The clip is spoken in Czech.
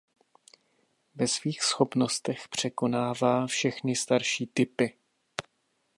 Ve svých schopnostech překonává všechny starší typy.